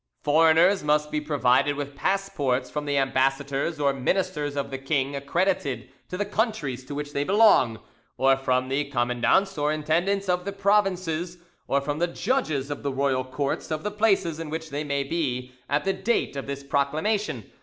Foreigners must be provided with passports from the ambassadors or ministers of the king accredited to the countries to which they belong, or from the commandants or intendants of the provinces, or from the judges of the royal courts of the places in which they may be at the date of this proclamation.